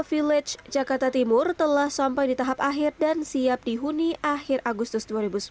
village jakarta timur telah sampai di tahap akhir dan siap dihuni akhir agustus dua ribu sembilan belas